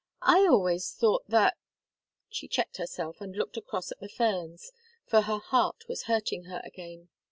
"I always thought that " she checked herself and looked across at the ferns, for her heart was hurting her again.